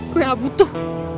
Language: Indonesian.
gue gak butuh